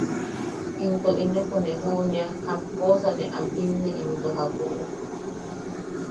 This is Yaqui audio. ¡Into inepo ne juʼunea jakkosa ne am jinne into jakuʼu!